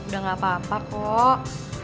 udah gak apa apa kok